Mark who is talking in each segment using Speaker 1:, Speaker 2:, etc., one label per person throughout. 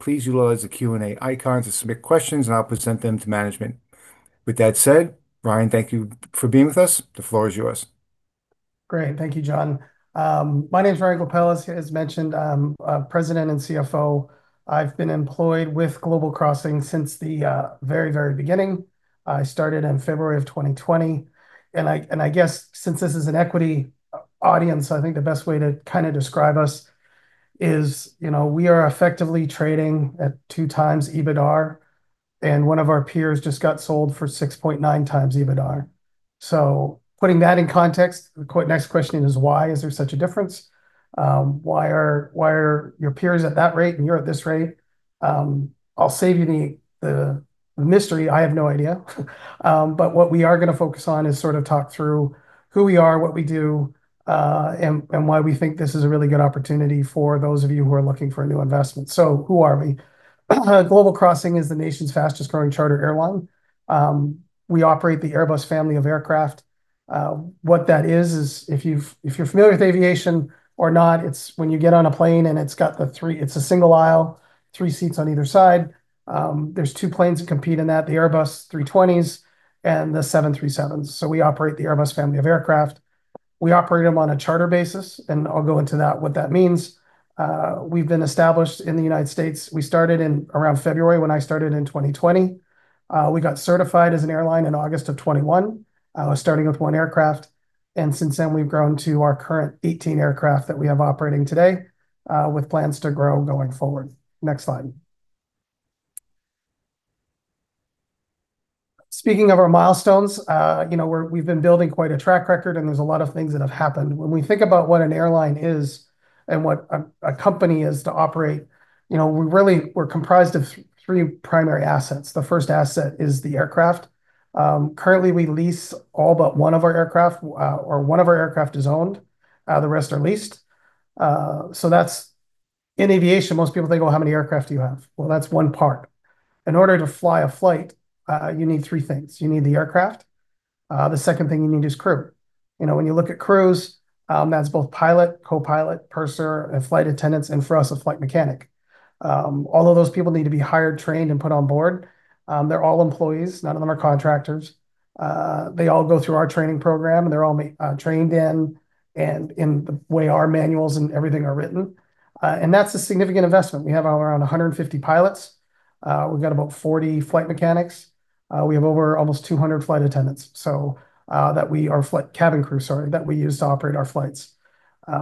Speaker 1: Please utilize the Q&A icons to submit questions, and I'll present them to management. With that said, Ryan, thank you for being with us. The floor is yours.
Speaker 2: Great. Thank you, John. My name is Ryan Goepel. As mentioned, I'm a President and CFO. I've been employed with Global Crossing since the very, very beginning. I started in February of 2020, and I guess since this is an equity audience, I think the best way to kind of describe us is, you know, we are effectively trading at two times EBITDA, and one of our peers just got sold for 6.9x EBITDA, so putting that in context, the next question is, why is there such a difference? Why are your peers at that rate and you're at this rate? I'll save you the mystery. I have no idea. But what we are going to focus on is sort of talk through who we are, what we do, and why we think this is a really good opportunity for those of you who are looking for a new investment. So who are we? Global Crossing is the nation's fastest growing chartered airline. We operate the Airbus family of aircraft. What that is, is if you're familiar with aviation or not, it's when you get on a plane and it's got the three, it's a single aisle, three seats on either side. There's two planes that compete in that: the Airbus A320s and the 737s. So we operate the Airbus family of aircraft. We operate them on a charter basis, and I'll go into that, what that means. We've been established in the United States. We started in around February when I started in 2020. We got certified as an airline in August of 2021, starting with one aircraft. And since then, we've grown to our current 18 aircraft that we have operating today, with plans to grow going forward. Next slide. Speaking of our milestones, you know, we've been building quite a track record, and there's a lot of things that have happened. When we think about what an airline is and what a company is to operate, you know, we really, we're comprised of three primary assets. The first asset is the aircraft. Currently, we lease all but one of our aircraft, or one of our aircraft is owned. The rest are leased. So that's in aviation, most people think, "Well, how many aircraft do you have?" Well, that's one part. In order to fly a flight, you need three things. You need the aircraft. The second thing you need is crew. You know, when you look at crews, that's both pilot, co-pilot, purser, and flight attendants, and for us, a flight mechanic. All of those people need to be hired, trained, and put on board. They're all employees. None of them are contractors. They all go through our training program, and they're all trained in the way our manuals and everything are written. And that's a significant investment. We have around 150 pilots. We've got about 40 flight mechanics. We have over almost 200 flight attendants, so that we are flight cabin crew, sorry, that we use to operate our flights.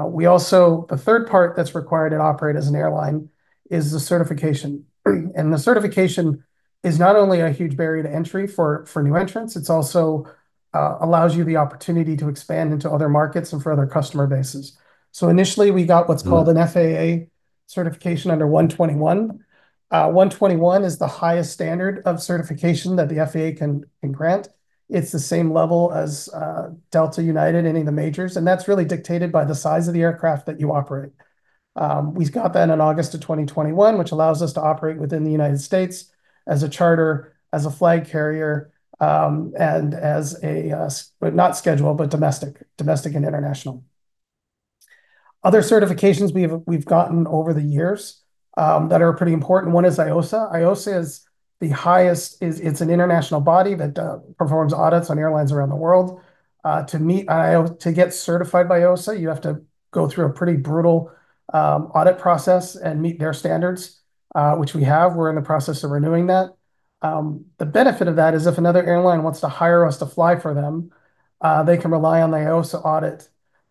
Speaker 2: We also. The third part that's required to operate as an airline is the certification. And the certification is not only a huge barrier to entry for new entrants, it also allows you the opportunity to expand into other markets and for other customer bases. So initially, we got what's called an FAA certification under 121. 121 is the highest standard of certification that the FAA can grant. It's the same level as Delta, United and any of the majors. And that's really dictated by the size of the aircraft that you operate. We've got that in August of 2021, which allows us to operate within the United States as a charter, as a flag carrier, and as a—not scheduled, but domestic and international. Other certifications we've gotten over the years that are pretty important. One is IOSA. IOSA is the highest. It's an international body that performs audits on airlines around the world. To get certified by IOSA, you have to go through a pretty brutal audit process and meet their standards, which we have. We're in the process of renewing that. The benefit of that is if another airline wants to hire us to fly for them, they can rely on the IOSA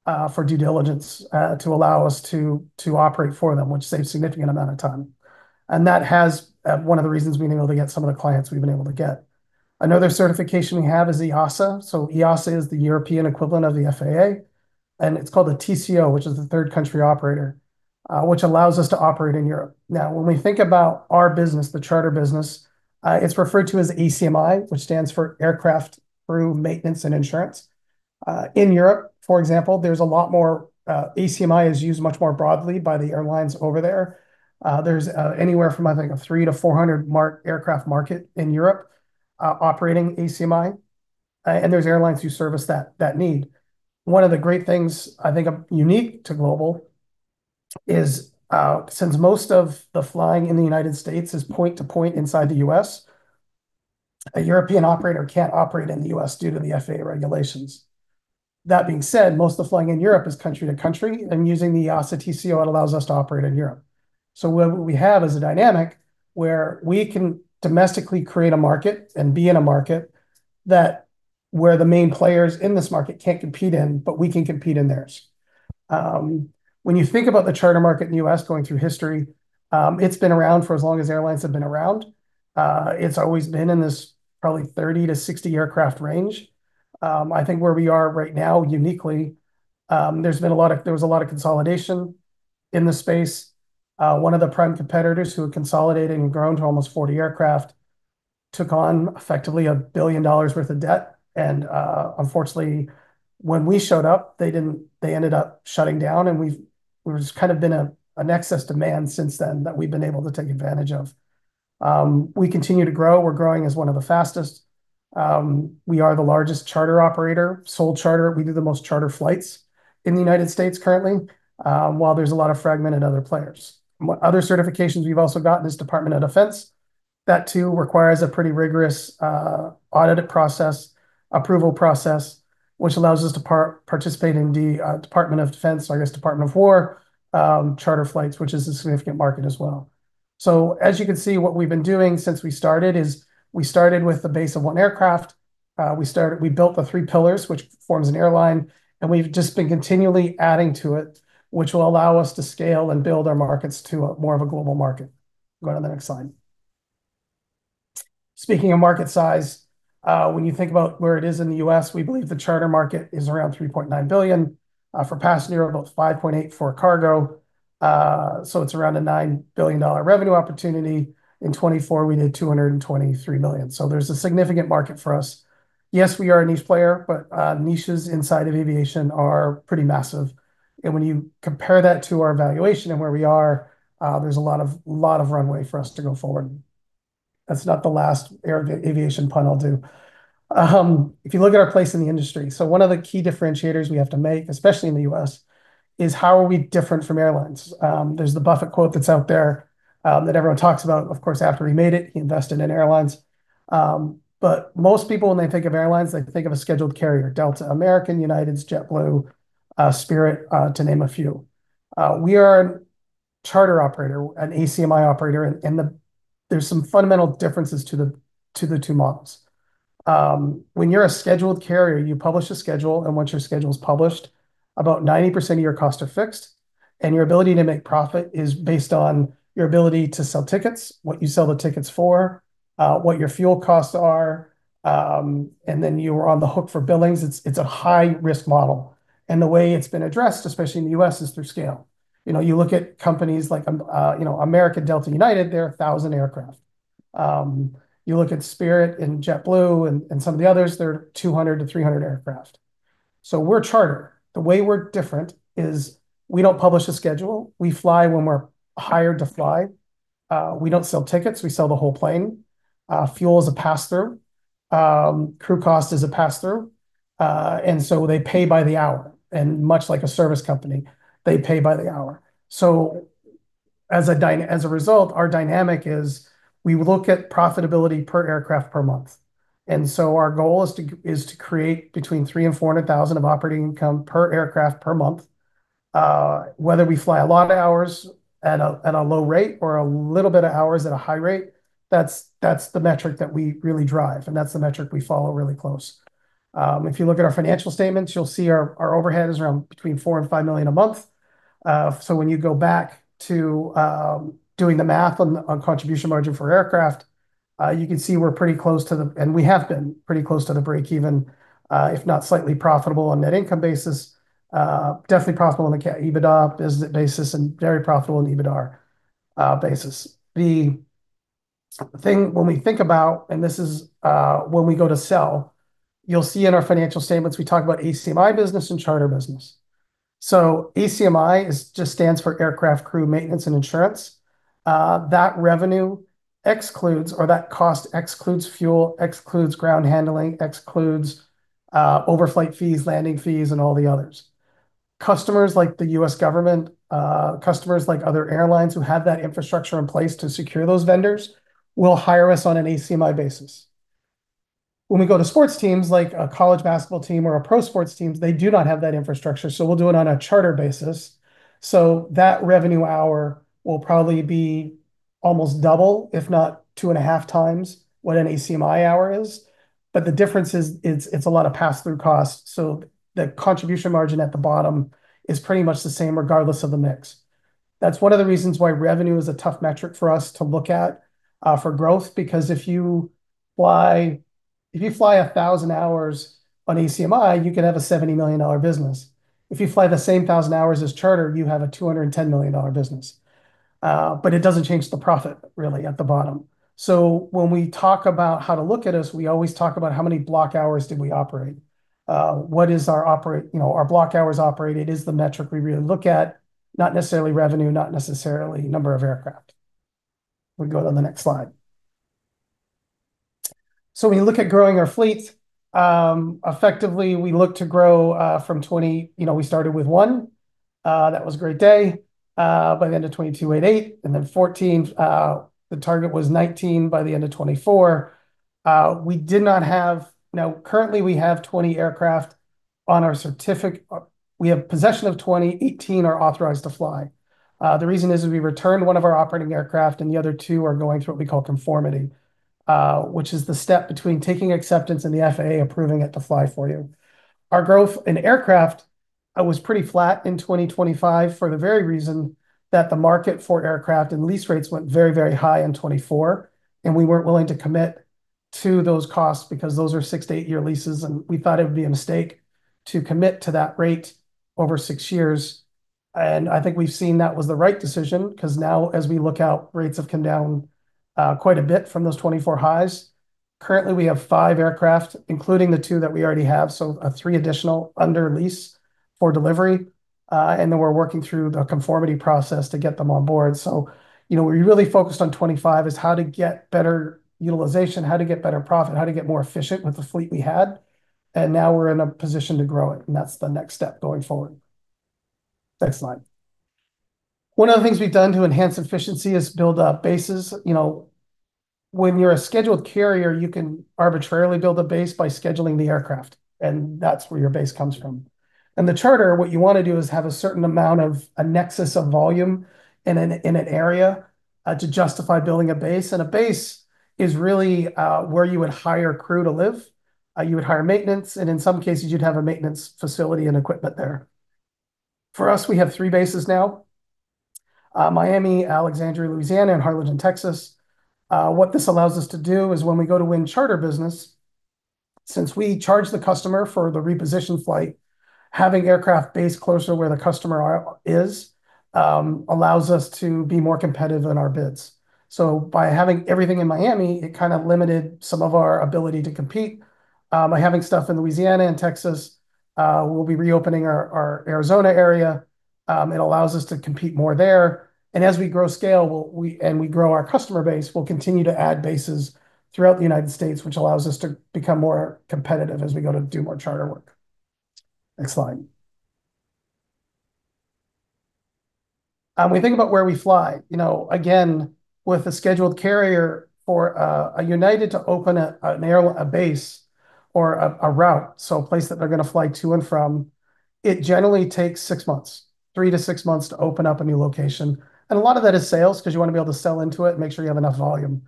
Speaker 2: audit for due diligence to allow us to operate for them, which saves a significant amount of time, and that has, one of the reasons we've been able to get some of the clients we've been able to get. Another certification we have is EASA, so EASA is the European equivalent of the FAA, and it's called a TCO, which is the Third Country Operator, which allows us to operate in Europe. Now, when we think about our business, the charter business, it's referred to as ACMI, which stands for Aircraft Crew Maintenance and Insurance. In Europe, for example, there's a lot more, ACMI is used much more broadly by the airlines over there. There's anywhere from, I think, a 300 to 400 mark aircraft market in Europe operating ACMI. There's airlines who service that need. One of the great things I think unique to Global is since most of the flying in the United States is point-to-point inside the US, a European operator can't operate in the U.S. due to the FAA regulations. That being said, most of the flying in Europe is country to country, and using the EASA TCO, it allows us to operate in Europe. What we have is a dynamic where we can domestically create a market and be in a market where the main players in this market can't compete in, but we can compete in theirs. When you think about the charter market in the U.S. going through history, it's been around for as long as airlines have been around. It's always been in this probably 30-60 aircraft range. I think where we are right now, uniquely, there's been a lot of. There was a lot of consolidation in the space. One of the prime competitors who had consolidated and grown to almost 40 aircraft took on effectively $1 billion worth of debt. And unfortunately, when we showed up, they didn't, they ended up shutting down, and we've, we've just kind of been a nexus of demand since then that we've been able to take advantage of. We continue to grow. We're growing as one of the fastest. We are the largest charter operator, sole charter. We do the most charter flights in the United States currently, while there's a lot of fragmented other players. Other certifications we've also gotten is Department of Defense. That too requires a pretty rigorous audit process, approval process, which allows us to participate in the Department of Defense, I guess, Department of Defense charter flights, which is a significant market as well. So as you can see, what we've been doing since we started is we started with the base of one aircraft. We started. We built the three pillars, which forms an airline, and we've just been continually adding to it, which will allow us to scale and build our markets to more of a global market. Go to the next slide. Speaking of market size, when you think about where it is in the U.S., we believe the charter market is around $3.9 billion. For the past year, about $5.8 billion for cargo. So it's around a $9 billion revenue opportunity. In 2024, we did $223 million. So there's a significant market for us. Yes, we are a niche player, but niches inside of aviation are pretty massive. And when you compare that to our valuation and where we are, there's a lot of runway for us to go forward. That's not the last aviation pun I'll do. If you look at our place in the industry, so one of the key differentiators we have to make, especially in the U.S., is how are we different from airlines? There's the Buffett quote that's out there that everyone talks about. Of course, after he made it, he invested in airlines. But most people, when they think of airlines, they think of a scheduled carrier: Delta, American, United, JetBlue, Spirit, to name a few. We are a charter operator, an ACMI operator, and there's some fundamental differences to the two models. When you're a scheduled carrier, you publish a schedule, and once your schedule is published, about 90% of your costs are fixed, and your ability to make profit is based on your ability to sell tickets, what you sell the tickets for, what your fuel costs are, and then you are on the hook for billings. It's a high-risk model, and the way it's been addressed, especially in the U.S., is through scale. You look at companies like American, Delta, United; they're 1,000 aircraft. You look at Spirit and JetBlue and some of the others; they're 200-300 aircraft. So we're charter. The way we're different is we don't publish a schedule. We fly when we're hired to fly. We don't sell tickets. We sell the whole plane. Fuel is a pass-through. Crew cost is a pass-through, and so they pay by the hour. Much like a service company, they pay by the hour. As a result, our dynamic is we look at profitability per aircraft per month. Our goal is to create between $300,000 and $400,000 of operating income per aircraft per month. Whether we fly a lot of hours at a low rate or a little bit of hours at a high rate, that's the metric that we really drive, and that's the metric we follow really close. If you look at our financial statements, you'll see our overhead is around between $4 million and $5 million a month. When you go back to doing the math on contribution margin for aircraft, you can see we're pretty close to the, and we have been pretty close to the break-even, if not slightly profitable on net income basis. Definitely profitable on the EBITDA basis and very profitable on the EBITDA basis. The thing when we think about, and this is when we go to sell, you'll see in our financial statements, we talk about ACMI business and charter business. So ACMI just stands for Aircraft Crew Maintenance and Insurance. That revenue excludes, or that cost excludes fuel, excludes ground handling, excludes overflight fees, landing fees, and all the others. Customers like the U.S. government, customers like other airlines who have that infrastructure in place to secure those vendors will hire us on an ACMI basis. When we go to sports teams like a college basketball team or a pro sports team, they do not have that infrastructure. So we'll do it on a charter basis. So that revenue hour will probably be almost double, if not 2.5x what an ACMI hour is. But the difference is it's a lot of pass-through cost. So the contribution margin at the bottom is pretty much the same regardless of the mix. That's one of the reasons why revenue is a tough metric for us to look at for growth, because if you fly 1,000 hours on ACMI, you can have a $70 million business. If you fly the same 1,000 hours as charter, you have a $210 million business. But it doesn't change the profit really at the bottom. So when we talk about how to look at us, we always talk about how many block hours did we operate. What is our—you know, our block hours operated is the metric we really look at, not necessarily revenue, not necessarily number of aircraft. We can go to the next slide. So when you look at growing our fleet, effectively, we look to grow from 20. You know, we started with one. That was a great day by the end of 2023, and then 14. The target was 19 by the end of 2024. We did not have. Now, currently, we have 20 aircraft on our certificate. We have possession of 20. 18 are authorized to fly. The reason is we returned one of our operating aircraft, and the other two are going through what we call conformity, which is the step between taking acceptance and the FAA approving it to fly for you. Our growth in aircraft was pretty flat in 2025 for the very reason that the market for aircraft and lease rates went very, very high in 2024, and we weren't willing to commit to those costs because those are six to eight-year leases, and we thought it would be a mistake to commit to that rate over six years. I think we've seen that was the right decision because now, as we look out, rates have come down quite a bit from those 2024 highs. Currently, we have five aircraft, including the two that we already have, so three additional under lease for delivery. We're working through the conformity process to get them on board. You know, we're really focused on 2025 is how to get better utilization, how to get better profit, how to get more efficient with the fleet we had. Now we're in a position to grow it, and that's the next step going forward. Next slide. One of the things we've done to enhance efficiency is build up bases. You know, when you're a scheduled carrier, you can arbitrarily build a base by scheduling the aircraft, and that's where your base comes from. The charter, what you want to do is have a certain amount of a nexus of volume in an area to justify building a base. A base is really where you would hire crew to live. You would hire maintenance, and in some cases, you'd have a maintenance facility and equipment there. For us, we have three bases now: Miami, Alexandria, Louisiana, and Harlingen, Texas. What this allows us to do is when we go to win charter business, since we charge the customer for the repositioned flight, having aircraft based closer where the customer is allows us to be more competitive in our bids. By having everything in Miami, it kind of limited some of our ability to compete. By having stuff in Louisiana and Texas, we'll be reopening our Arizona area. It allows us to compete more there. And as we grow scale and we grow our customer base, we'll continue to add bases throughout the United States, which allows us to become more competitive as we go to do more charter work. Next slide. When we think about where we fly, you know, again, with a scheduled carrier for a United to open a base or a route, so a place that they're going to fly to and from, it generally takes six months, three to six months to open up a new location. And a lot of that is sales because you want to be able to sell into it and make sure you have enough volume.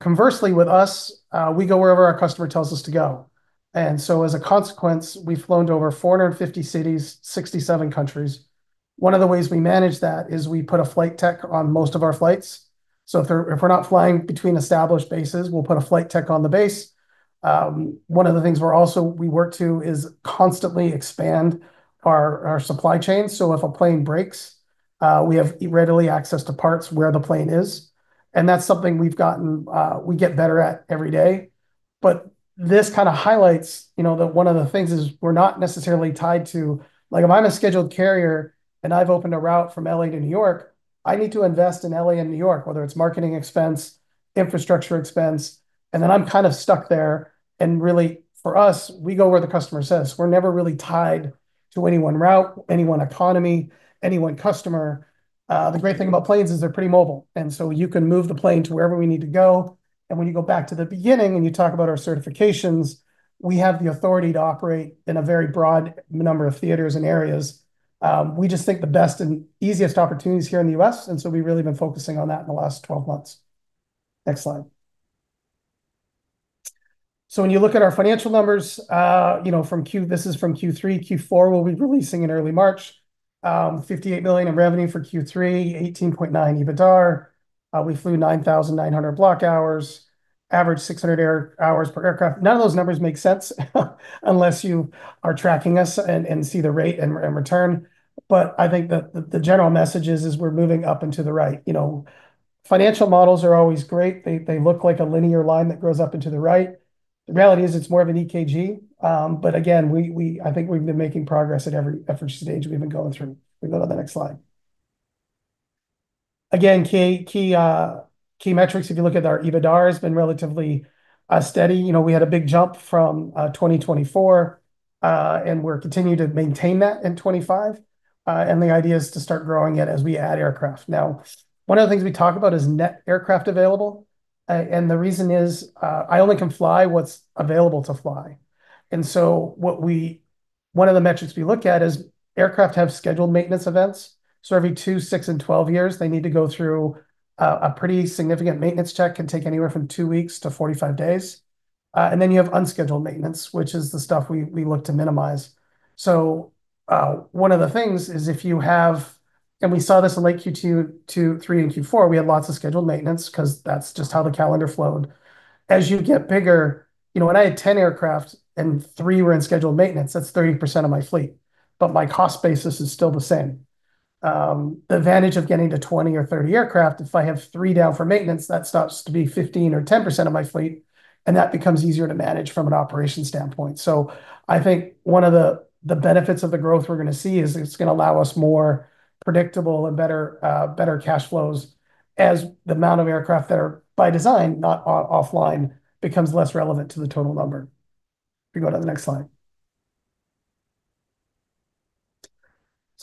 Speaker 2: Conversely, with us, we go wherever our customer tells us to go. And so, as a consequence, we've flown to over 450 cities, 67 countries. One of the ways we manage that is we put a flight tech on most of our flights. So if we're not flying between established bases, we'll put a flight tech on the base. One of the things we also work to is constantly expand our supply chain. So if a plane breaks, we have readily access to parts where the plane is. And that's something we get better at every day. But this kind of highlights, you know, that one of the things is we're not necessarily tied to, like, if I'm a scheduled carrier and I've opened a route from LA to New York, I need to invest in LA and New York, whether it's marketing expense, infrastructure expense, and then I'm kind of stuck there. And really, for us, we go where the customer says. We're never really tied to any one route, any one economy, any one customer. The great thing about planes is they're pretty mobile. And so you can move the plane to wherever we need to go. And when you go back to the beginning and you talk about our certifications, we have the authority to operate in a very broad number of theaters and areas. We just think the best and easiest opportunities here in the U.S. And so we've really been focusing on that in the last 12 months. Next slide. So when you look at our financial numbers, you know, from Q3. This is from Q3. Q4, what we're releasing in early March, $58 million in revenue for Q3, $18.9 million EBITDA. We flew 9,900 block hours, averaged 600 hours per aircraft. None of those numbers make sense unless you are tracking us and see the rate and return. But I think that the general message is we're moving up and to the right. You know, financial models are always great. They look like a linear line that grows up and to the right. The reality is it's more of an EKG. But again, I think we've been making progress at every effort stage. We've been going through. We go to the next slide. Again, key metrics, if you look at our EBITDA, has been relatively steady. You know, we had a big jump from 2024, and we're continuing to maintain that in 2025. And the idea is to start growing it as we add aircraft. Now, one of the things we talk about is net aircraft available. And the reason is I only can fly what's available to fly. And so one of the metrics we look at is aircraft have scheduled maintenance events. Every two, six, and 12 years, they need to go through a pretty significant maintenance check and take anywhere from two weeks to 45 days. And then you have unscheduled maintenance, which is the stuff we look to minimize. One of the things is if you have, and we saw this in late Q2, Q3, and Q4, we had lots of scheduled maintenance because that's just how the calendar flowed. As you get bigger, you know, when I had 10 aircraft and three were in scheduled maintenance, that's 30% of my fleet. But my cost basis is still the same. The advantage of getting to 20 or 30 aircraft, if I have three down for maintenance, that drops to be 15 or 10% of my fleet, and that becomes easier to manage from an operation standpoint. I think one of the benefits of the growth we're going to see is it's going to allow us more predictable and better cash flows as the amount of aircraft that are by design, not offline, becomes less relevant to the total number. If you go to the next slide.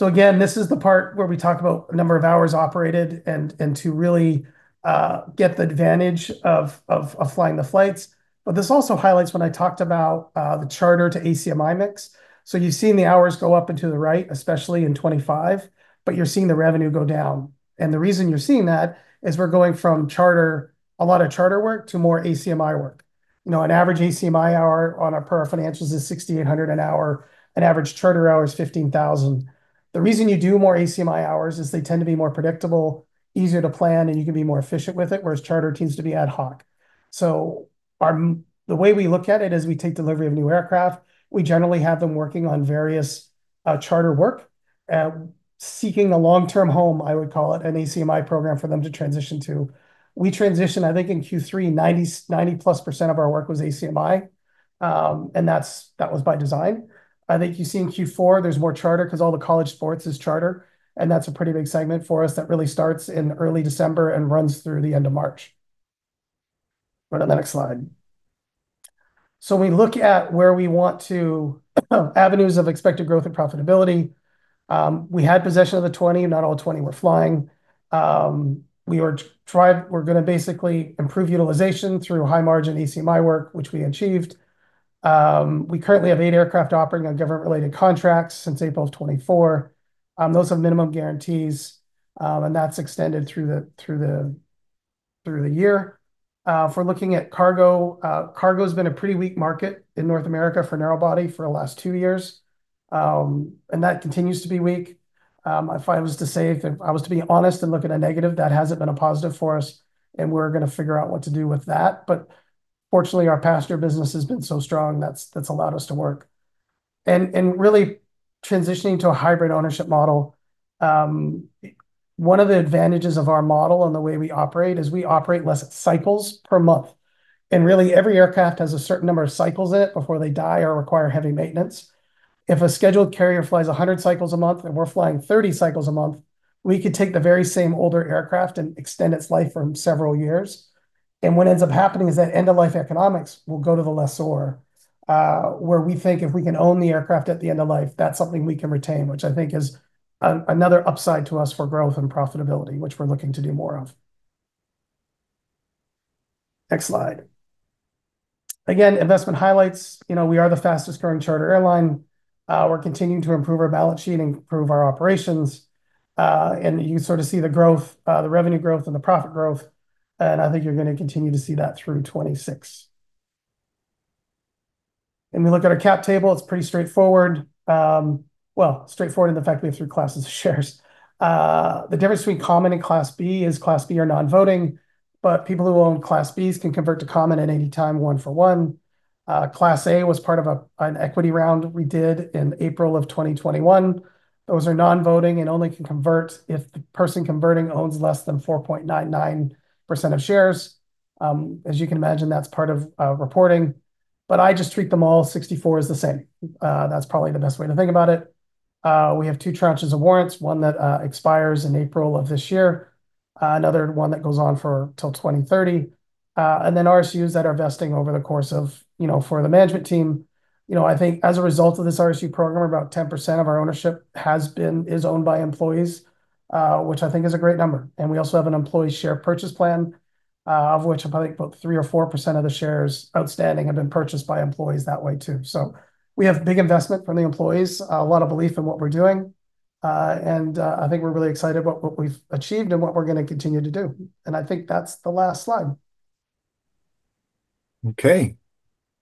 Speaker 2: Again, this is the part where we talk about a number of hours operated and to really get the advantage of flying the flights. But this also highlights when I talked about the charter to ACMI mix. You've seen the hours go up and to the right, especially in 2025, but you're seeing the revenue go down. The reason you're seeing that is we're going from a lot of charter work to more ACMI work. You know, an average ACMI hour per our financials is $6,800 an hour. An average charter hour is $15,000. The reason you do more ACMI hours is they tend to be more predictable, easier to plan, and you can be more efficient with it, whereas charter tends to be ad hoc. So the way we look at it is we take delivery of new aircraft. We generally have them working on various charter work, seeking a long-term home, I would call it, an ACMI program for them to transition to. We transitioned, I think, in Q3, 90%+ of our work was ACMI. And that was by design. I think you see in Q4, there's more charter because all the college sports is charter. And that's a pretty big segment for us that really starts in early December and runs through the end of March. Go to the next slide. So when we look at where we want to, avenues of expected growth and profitability. We had possession of the 20. Not all 20 were flying. We were going to basically improve utilization through high-margin ACMI work, which we achieved. We currently have eight aircraft operating on government-related contracts since April of 2024. Those have minimum guarantees, and that's extended through the year. If we're looking at cargo, cargo has been a pretty weak market in North America for narrow body for the last two years. And that continues to be weak. If I was to say, if I was to be honest and look at a negative, that hasn't been a positive for us. And we're going to figure out what to do with that. But fortunately, our passenger business has been so strong that's allowed us to work. And really transitioning to a hybrid ownership model. One of the advantages of our model and the way we operate is we operate less cycles per month. Really, every aircraft has a certain number of cycles in it before they die or require heavy maintenance. If a scheduled carrier flies 100 cycles a month and we're flying 30 cycles a month, we could take the very same older aircraft and extend its life for several years. What ends up happening is that end-of-life economics will go to the lessor, where we think if we can own the aircraft at the end of life, that's something we can retain, which I think is another upside to us for growth and profitability, which we're looking to do more of. Next slide. Again, investment highlights. You know, we are the fastest-growing charter airline. We're continuing to improve our balance sheet and improve our operations. You sort of see the growth, the revenue growth, and the profit growth. I think you're going to continue to see that through 2026. We look at our cap table. It's pretty straightforward, straightforward in the fact we have three classes of shares. The difference between Common and Class B is Class B are non-voting, but people who own Class Bs can convert to Common at any time, one for one. Class A was part of an equity round we did in April of 2021. Those are non-voting and only can convert if the person converting owns less than 4.99% of shares. As you can imagine, that's part of reporting. But I just treat them all. SEC is the same. That's probably the best way to think about it. We have two tranches of warrants, one that expires in April of this year, another one that goes on for until 2030. And then RSUs that are vesting over the course of, you know, for the management team. You know, I think as a result of this RSU program, about 10% of our ownership is owned by employees, which I think is a great number. And we also have an Employee Share Purchase Plan, of which I think about 3% or 4% of the shares outstanding have been purchased by employees that way too. So we have big investment from the employees, a lot of belief in what we're doing. And I think we're really excited about what we've achieved and what we're going to continue to do. And I think that's the last slide.
Speaker 1: Okay.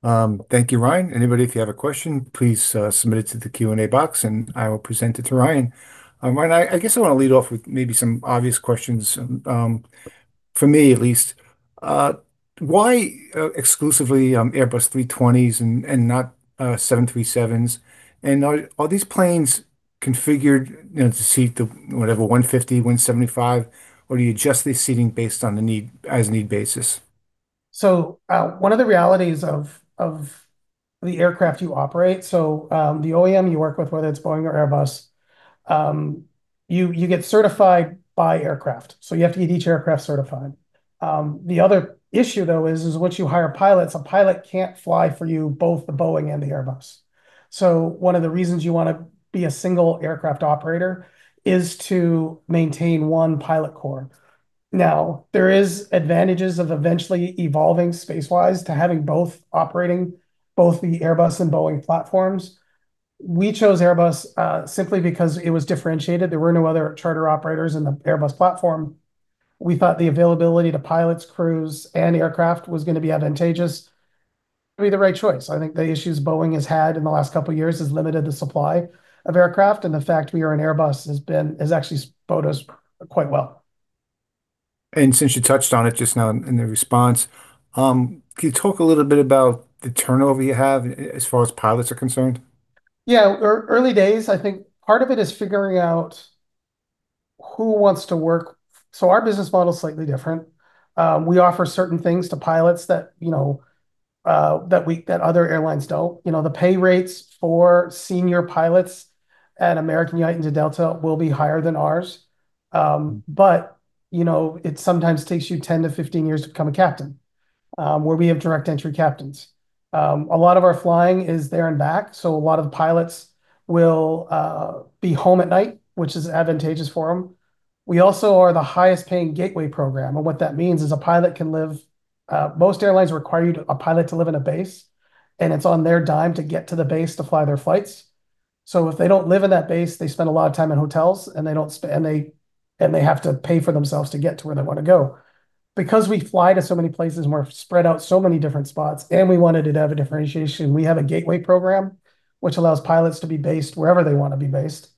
Speaker 1: Thank you, Ryan. Anybody, if you have a question, please submit it to the Q&A box, and I will present it to Ryan. Ryan, I guess I want to lead off with maybe some obvious questions, for me at least. Why exclusively Airbus A320s and not 737s? And are these planes configured to seat the, whatever, 150, 175, or do you adjust the seating based on the need as need basis?
Speaker 2: So one of the realities of the aircraft you operate, so the OEM you work with, whether it's Boeing or Airbus, you get certified by aircraft. So you have to get each aircraft certified. The other issue, though, is once you hire pilots, a pilot can't fly for you both the Boeing and the Airbus. So one of the reasons you want to be a single aircraft operator is to maintain one pilot corps. Now, there are advantages of eventually evolving space-wise to having both operating both the Airbus and Boeing platforms. We chose Airbus simply because it was differentiated. There were no other charter operators in the Airbus platform. We thought the availability to pilots, crews, and aircraft was going to be advantageous. It would be the right choice. I think the issues Boeing has had in the last couple of years has limited the supply of aircraft, and the fact we are an Airbus has actually benefited us quite well.
Speaker 1: And since you touched on it just now in the response, can you talk a little bit about the turnover you have as far as pilots are concerned?
Speaker 2: Yeah, early days. I think part of it is figuring out who wants to work. So our business model is slightly different. We offer certain things to pilots that, you know, that other airlines don't. You know, the pay rates for senior pilots at American United and Delta will be higher than ours, but you know, it sometimes takes you 10 to 15 years to become a captain, where we have direct entry captains. A lot of our flying is there and back, so a lot of the pilots will be home at night, which is advantageous for them. We also are the highest-paying Gateway Program, and what that means is a pilot can live. Most airlines require a pilot to live in a base, and it's on their dime to get to the base to fly their flights. So if they don't live in that base, they spend a lot of time in hotels, and they don't spend, and they have to pay for themselves to get to where they want to go. Because we fly to so many places and we're spread out so many different spots, and we wanted to have a differentiation, we have a Gateway Program, which allows pilots to be based wherever they want to be based,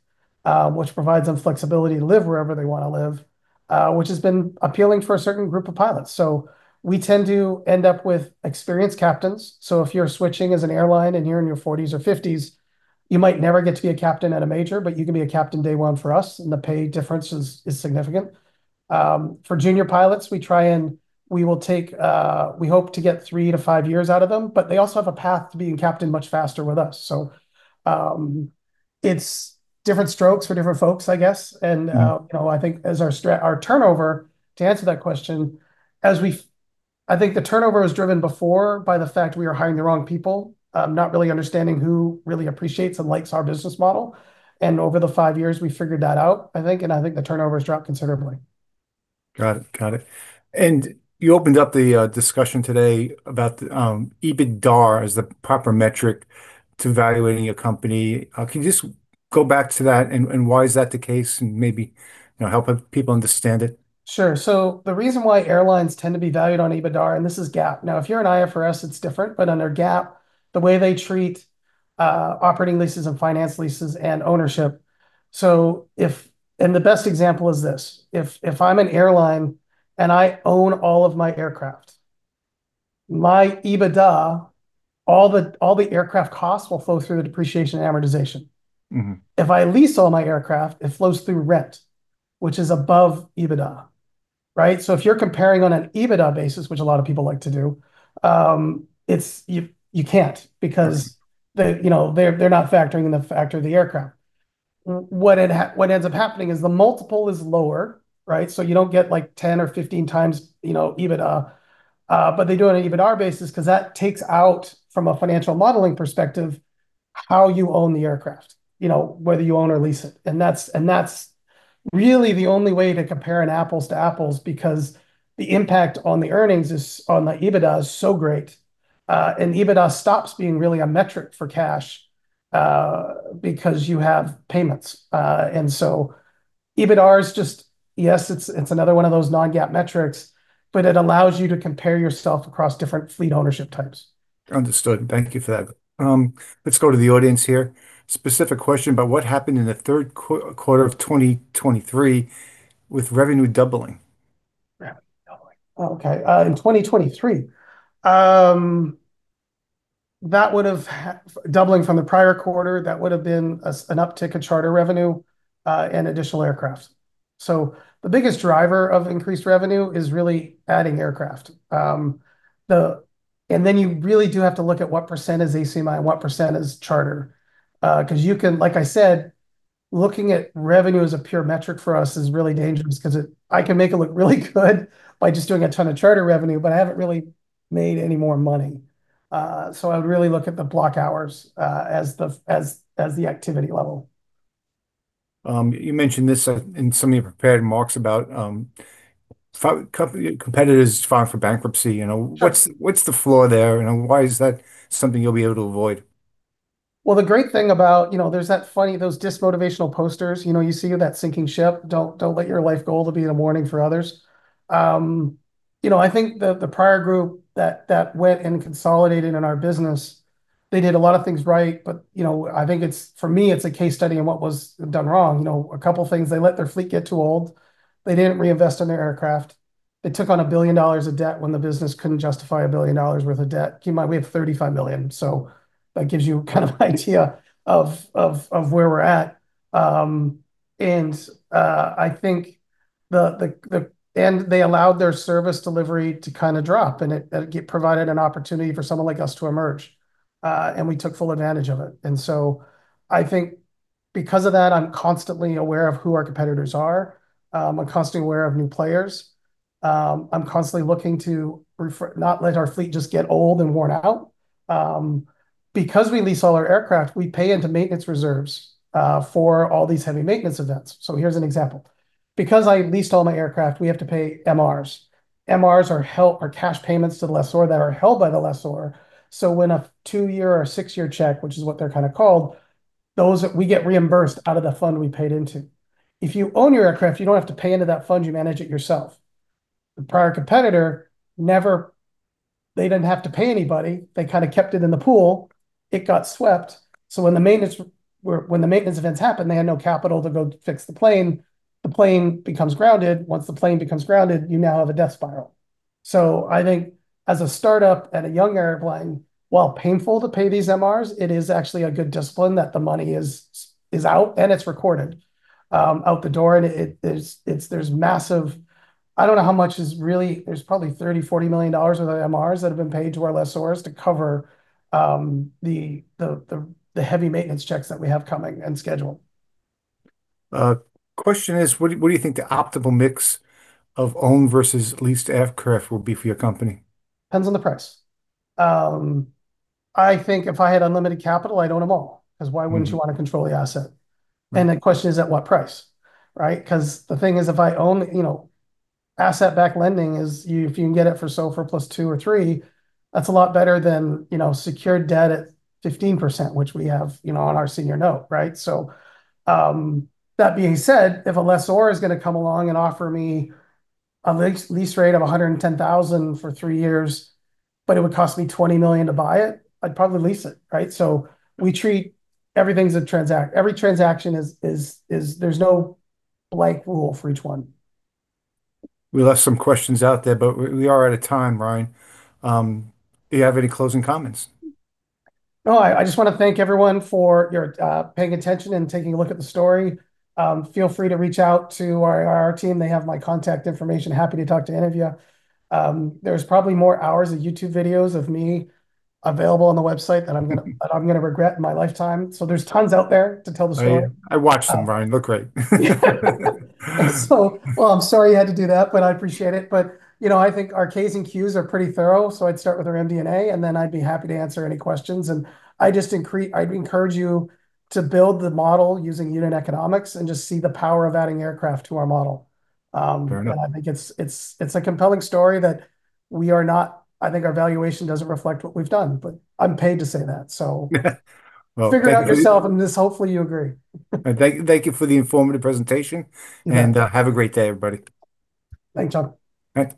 Speaker 2: which provides them flexibility to live wherever they want to live, which has been appealing for a certain group of pilots. So we tend to end up with experienced captains. So if you're switching as an airline and you're in your 40s or 50s, you might never get to be a captain at a major, but you can be a captain day one for us, and the pay difference is significant. For junior pilots, we try and we will take, we hope to get three to five years out of them, but they also have a path to being captain much faster with us. So it's different strokes for different folks, I guess. And, you know, I think as our turnover, to answer that question, as we, I think the turnover was driven before by the fact we were hiring the wrong people, not really understanding who really appreciates and likes our business model. And over the five years, we figured that out, I think. And I think the turnover has dropped considerably.
Speaker 1: Got it. Got it. And you opened up the discussion today about EBITDA as the proper metric to evaluating a company. Can you just go back to that, and why is that the case, and maybe help people understand it?
Speaker 2: Sure. So the reason why airlines tend to be valued on EBITDA, and this is GAAP, now, if you're an IFRS, it's different. But under GAAP, the way they treat operating leases and finance leases and ownership. So if—and the best example is this: if I'm an airline and I own all of my aircraft, my EBITDA, all the aircraft costs will flow through the depreciation and amortization. If I lease all my aircraft, it flows through rent, which is above EBITDA, right? So if you're comparing on an EBITDA basis, which a lot of people like to do, you can't because they're not factoring in the factor of the aircraft. What ends up happening is the multiple is lower, right? So you don't get like 10 or 15x you know, EBITDA. But they do it on an EBITDA basis because that takes out, from a financial modeling perspective, how you own the aircraft, you know, whether you own or lease it. That's really the only way to compare an apples-to-apples because the impact on the earnings is on the EBITDA so great. EBITDA stops being really a metric for cash because you have payments. EBITDA is just, yes, it's another one of those non-GAAP metrics, but it allows you to compare yourself across different fleet ownership types. Understood. Thank you for that. Let's go to the audience here. Specific question about what happened in the third quarter of 2023 with revenue doubling. Okay. In 2023, that would have, doubling from the prior quarter, that would have been an uptick in charter revenue and additional aircraft. The biggest driver of increased revenue is really adding aircraft. You really do have to look at what percentage is ACMI and what percentage is charter. Because you can, like I said, looking at revenue as a pure metric for us is really dangerous because I can make it look really good by just doing a ton of charter revenue, but I haven't really made any more money. So I would really look at the block hours as the activity level. You mentioned this in some of your prepared remarks about competitors filing for bankruptcy. You know, what's the flaw there? And why is that something you'll be able to avoid? Well, the great thing about, you know, there's that funny, those demotivational posters. You know, you see that sinking ship, don't let your life goal to be the warning for others. You know, I think the prior group that went and consolidated in our business, they did a lot of things right. You know, I think for me, it's a case study in what was done wrong. You know, a couple of things, they let their fleet get too old. They didn't reinvest in their aircraft. They took on $1 billion of debt when the business couldn't justify $1 billion worth of debt. Keep in mind, we have $35 million. So that gives you kind of an idea of where we're at. I think they allowed their service delivery to kind of drop. It provided an opportunity for someone like us to emerge. We took full advantage of it. I think because of that, I'm constantly aware of who our competitors are. I'm constantly aware of new players. I'm constantly looking to not let our fleet just get old and worn out. Because we lease all our aircraft, we pay into maintenance reserves for all these heavy maintenance events. So here's an example. Because I leased all my aircraft, we have to pay MRs. MRs are cash payments to the lessor that are held by the lessor. So when a two-year or six-year check, which is what they're kind of called, those that we get reimbursed out of the fund we paid into. If you own your aircraft, you don't have to pay into that fund. You manage it yourself. The prior competitor, they didn't have to pay anybody. They kind of kept it in the pool. It got swept. So when the maintenance events happened, they had no capital to go fix the plane. The plane becomes grounded. Once the plane becomes grounded, you now have a death spiral. So I think as a startup and a young airline, while painful to pay these MRs, it is actually a good discipline that the money is out and it's recorded out the door. And there's massive - I don't know how much is really - there's probably $30 million-$40 million worth of MRs that have been paid to our lessors to cover the heavy maintenance checks that we have coming and scheduled. Question is, what do you think the optimal mix of owned versus leased aircraft will be for your company? Depends on the price. I think if I had unlimited capital, I'd own them all. Because why wouldn't you want to control the asset? And the question is at what price, right? Because the thing is, if I own, you know, asset-backed lending is if you can get it for SOFR + two or three, that's a lot better than, you know, secured debt at 15%, which we have, you know, on our senior note, right? So that being said, if a lessor is going to come along and offer me a lease rate of $110,000 for three years, but it would cost me $20 million to buy it, I'd probably lease it, right? So we treat everything as a transaction. Every transaction is. There's no blanket rule for each one. We left some questions out there, but we are out of time, Ryan. Do you have any closing comments? No, I just want to thank everyone for paying attention and taking a look at the story. Feel free to reach out to our team. They have my contact information. Happy to talk to any of you. There's probably more hours of YouTube videos of me available on the website that I'm going to regret in my lifetime. So there's tons out there to tell the story.
Speaker 1: I watched them, Ryan. Look great.
Speaker 2: Well, I'm sorry you had to do that, but I appreciate it. But, you know, I think our Ks and Qs are pretty thorough. So I'd start with our MD&A, and then I'd be happy to answer any questions. And I just encourage you to build the model using unit economics and just see the power of adding aircraft to our model. Fair enough. I think it's a compelling story that we are not, I think our valuation doesn't reflect what we've done. But I'm paid to say that. So figure it out yourself, and hopefully you agree.
Speaker 1: Thank you for the informative presentation. And have a great day, everybody.
Speaker 2: Thanks, John.
Speaker 1: Thanks.